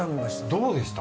どうでした？